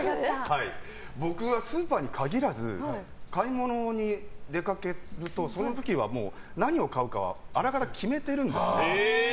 僕はスーパーに限らず買い物に出かけるとその時は何を買うかはあらかた決めてるんですね。